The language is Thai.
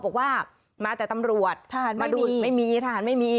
พอบอกว่ามาแต่ตำรวจทหารไม่มี